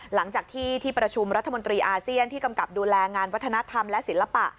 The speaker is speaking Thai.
หลังจากที่ที่ประชุมรัฐมนตรีอาเซียนที่กำกับดูแลงานวัฒนธรรมและศิลปะ